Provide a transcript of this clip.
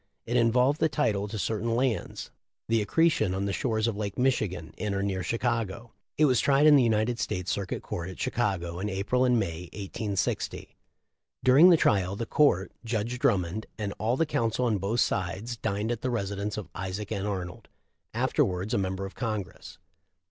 It involved the title to certain lands, the accretion on the shores of Lake Michigan, in or near Chicago. It was tried in the United States Circuit Court at Chicago in April and May, 1860. During the trial, the Court — Judge Drummond — and all the counsel on both sides dined at the residence of Isaac N. Arnold, afterwards a member of Congress.